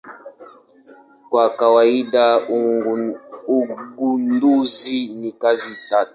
Kwa kawaida ugunduzi ni kazi tata.